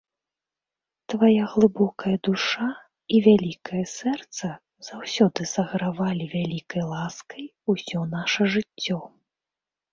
Твая глыбокая душа і вялікае сэрца заўсёды сагравалі вялікай ласкай усё наша жыццё.